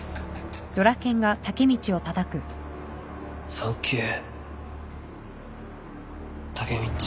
サンキュータケミっち。